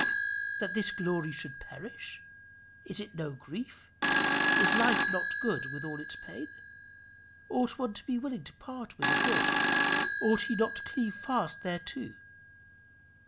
That this glory should perish is it no grief? Is life not a good with all its pain? Ought one to be willing to part with a good? Ought he not to cleave fast thereto?